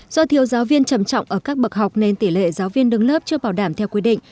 do thiếu giáo viên trầm trọng ở các bậc học nên tỷ lệ giáo viên đứng lớp chưa bảo đảm theo quy định